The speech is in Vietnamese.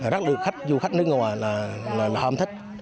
rất nhiều khách du khách nước ngoài là hòm thích